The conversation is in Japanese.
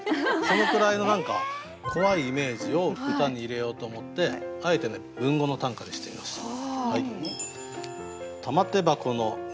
そのくらいの何か怖いイメージを歌に入れようと思ってあえてね文語の短歌にしてみました。